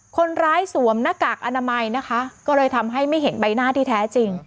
สวมหน้ากากอนามัยนะคะก็เลยทำให้ไม่เห็นใบหน้าที่แท้จริง